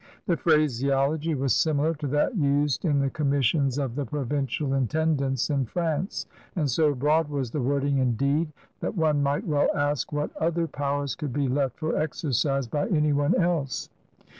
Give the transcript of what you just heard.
The phraseology was similar to that used in the conmiissions of the THE AGE OF LOUIS QUATOBZE 67 provincial intendants in France, and so broad was the wording, indeed, that one might well ask what other powers could be left for exercise by any one else.